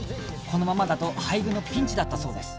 このままだと廃部のピンチだったそうです